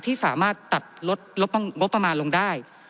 ที่สามารถตัดลดงบประมาณลงได้